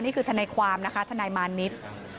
นี่คือทนายความนะคะทนายมานิท